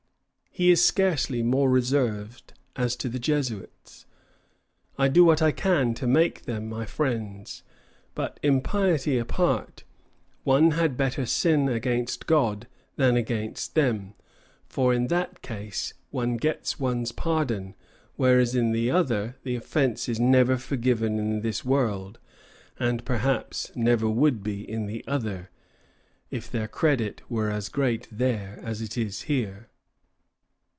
He is scarcely more reserved as to the Jesuits. "I do what I can to make them my friends, but, impiety apart, one had better sin against God than against them; for in that case one gets one's pardon, whereas in the other the offence is never forgiven in this world, and perhaps never would be in the other, if their credit were as great there as it is here."